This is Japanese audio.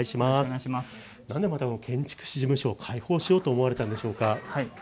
なぜ建築士事務所を開放しようと思ったんでしょうか。